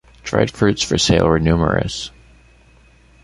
Dried fruits for sale were numerous.